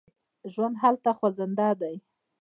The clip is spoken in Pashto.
ژوند هلته خوځنده دی.